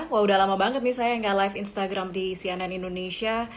wah udah lama banget nih saya nggak live instagram di cnn indonesia